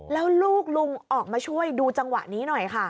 แล้วลูกลุงออกมาช่วยดูจังหวะนี้หน่อยค่ะ